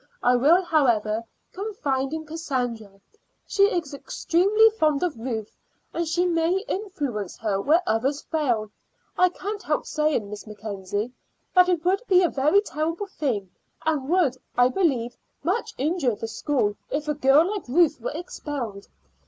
I will, however, confide in Cassandra; she is extremely fond of Ruth, and she may influence her where others fail. I can't help saying, Miss Mackenzie, that it would be a very terrible thing, and would, I believe much injure the school, if a girl like Ruth were expelled.